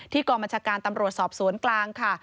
กองบัญชาการตำรวจสอบสวนกลางค่ะ